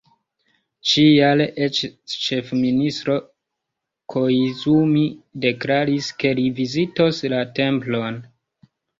Ĉi-jare eĉ ĉefministro Koizumi deklaris, ke li vizitos la templon.